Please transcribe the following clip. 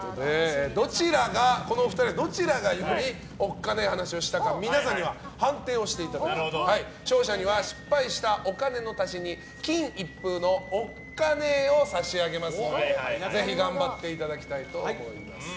この２人のどちらがよりおっカネ話をしたか皆さんには判定をしていただいて勝者には失敗したお金の足しに金一封のおっ金を差し上げますのでぜひ頑張っていただきたいと思います。